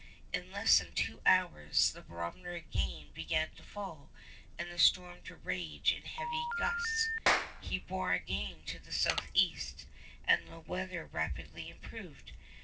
'In less than two hours the barometer again began to fall and the storm to rage in heavy gusts.' He bore again to the south east, and the weather rapidly improved.